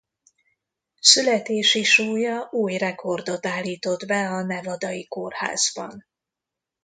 Születési súlya új rekordot állított be a nevadai kórházban.